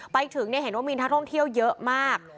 ไปถึงเห็นว่ามีนักท่องเที่ยวเยอะมาก